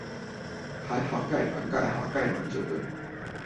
看來蓋板蓋好蓋滿就對